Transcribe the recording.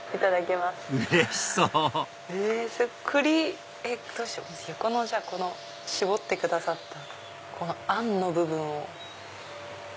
まず横の絞ってくださったあんの部分を。